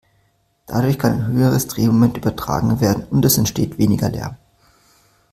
Dadurch kann ein höheres Drehmoment übertragen werden und es entsteht weniger Lärm.